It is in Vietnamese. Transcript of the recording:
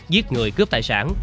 giết người cướp tài sản